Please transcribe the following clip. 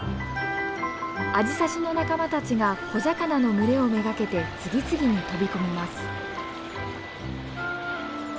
アジサシの仲間たちが小魚の群れを目がけて次々に飛び込みます。